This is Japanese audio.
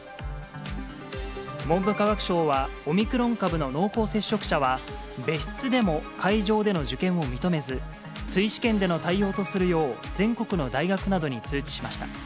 文部科学省は、オミクロン株の濃厚接触者は、別室でも会場での受験を認めず、追試験での対応とするよう、全国の大学などに通知しました。